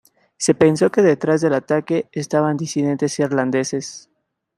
Se pensó que detrás del ataque estaban disidentes irlandeses.